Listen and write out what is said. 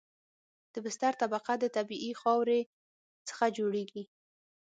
د بستر طبقه د طبیعي خاورې څخه جوړیږي